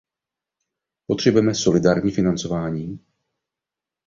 Potřebujeme solidární financování?